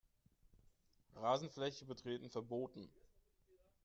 Rasenfläche betreten verboten.